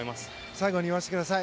最後に言わせてください。